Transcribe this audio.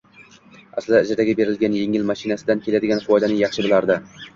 Aslida, ijaraga berilgan engil mashinasidan keladigan foydani yaxshi bilardi